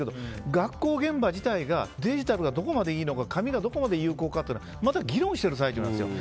学校現場自体がデジタルがどこまでいいのか紙がどこまで有効かというのはまだ議論してる最中なんですよ。